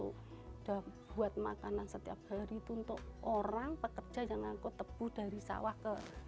sudah buat makanan setiap hari itu untuk orang pekerja yang ngangkut tebu dari sawah ke